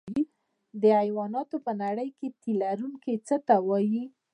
د حیواناتو په نړۍ کې تی لرونکي څه ته وایي